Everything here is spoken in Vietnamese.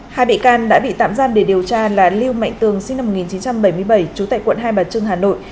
hai bị can đã bị tạm giam để điều tra là lưu mạnh tường sinh năm một nghìn chín trăm bảy mươi bảy trú tại quận hai bà trưng hà nội